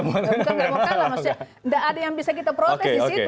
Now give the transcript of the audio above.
bukan nggak mau kalah maksudnya nggak ada yang bisa kita protes di situ